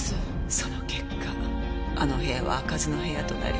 その結果あの部屋は開かずの部屋となり。